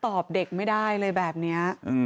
ตอบเด็กไม่ได้เลยแบบนี้